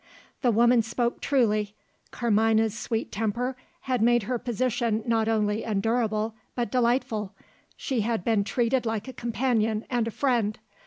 The woman spoke truly, Carmina's sweet temper had made her position not only endurable, but delightful: she had been treated like a companion and a friend.